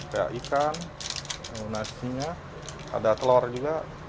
kayak ikan nasinya ada telur juga